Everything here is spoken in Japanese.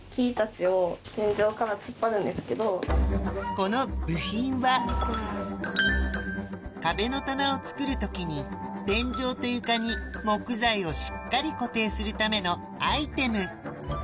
この部品は壁の棚を作る時に天井と床に木材をしっかり固定するためのアイテム